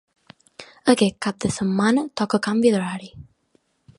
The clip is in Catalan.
Aquest cap de setmana toca canvi d’horari.